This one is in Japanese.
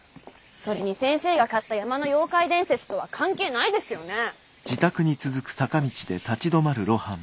それに先生が買った山の妖怪伝説とは関係ないですよね？